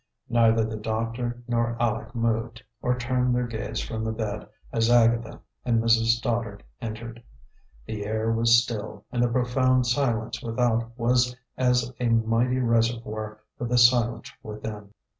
Neither the doctor nor Aleck moved or turned their gaze from the bed as Agatha and Mrs. Stoddard entered. The air was still, and the profound silence without was as a mighty reservoir for the silence within.